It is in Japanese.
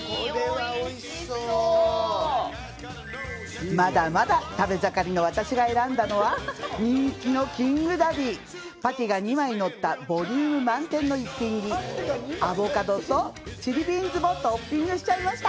おいしそうまだまだ食べ盛りの私が選んだのは人気の「ＫＩＮＧダディー」パティが２枚載ったボリューム満点の逸品にアボカドとチリビーンズもトッピングしちゃいました